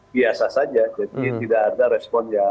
biasa saja jadi tidak ada responnya